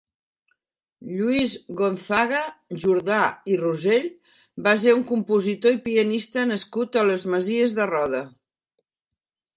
Lluís Gonzaga Jordà i Rossell va ser un compositor i pianista nascut a les Masies de Roda.